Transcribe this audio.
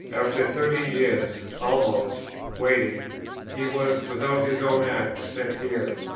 After thirty years' (almost) waiting, he was without his own act sent here.